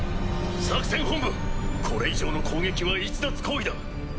作戦本部これ以上の攻撃は逸脱行為だ。